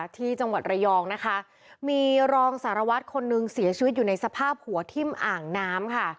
ที่จังหวัดระยองนะคะมีรองสารวัตรคนหนึ่งเสียชีวิตอยู่ในสภาพหัวทิ่มอ่างน้ำค่ะ